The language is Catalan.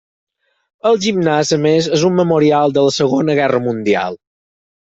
El gimnàs a més és un memorial de la Segona Guerra Mundial.